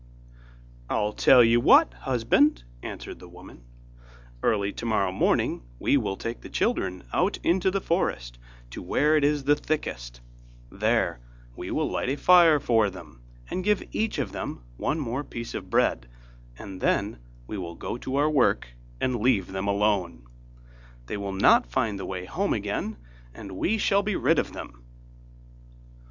'I'll tell you what, husband,' answered the woman, 'early tomorrow morning we will take the children out into the forest to where it is the thickest; there we will light a fire for them, and give each of them one more piece of bread, and then we will go to our work and leave them alone. They will not find the way home again, and we shall be rid of them.